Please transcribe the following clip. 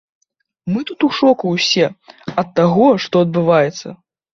Мы тут у шоку ўсе ад таго, што адбываецца.